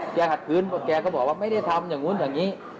แกขัดคืนคืนแกก็บอกว่าไปทำอย่างงูนอย่างนี้